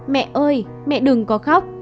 mẹ ơi mẹ đừng có khóc